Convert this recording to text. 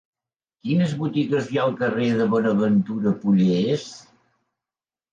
Quines botigues hi ha al carrer de Bonaventura Pollés?